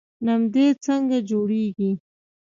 نمدې څنګه جوړیږي؟